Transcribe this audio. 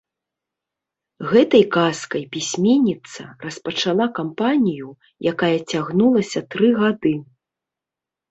Гэтай казкай пісьменніца распачала кампанію, якая цягнулася тры гады.